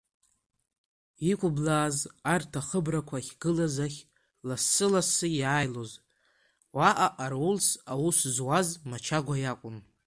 Иқәыблааз арҭ ахыбрақәа ахьгылаз ахь ласы-лассы иааилоз, уаҟа ҟарулс аус зуаз Мачагәа иакәын.